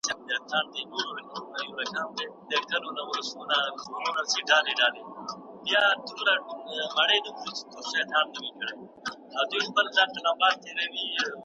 او لار دې څارم